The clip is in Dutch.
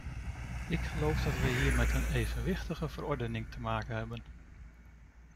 Ik geloof dat wij hier met een evenwichtige verordening te maken hebben.